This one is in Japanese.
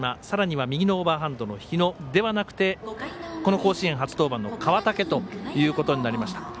さらには右のオーバーハンドの日野ではなくてこの甲子園初登板の川竹ということになりました。